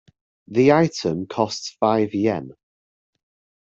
The item costs five Yen.